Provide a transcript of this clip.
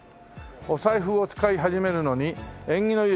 「お財布を使い始めるのに縁起の良い吉日」